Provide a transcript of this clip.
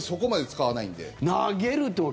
投げる時？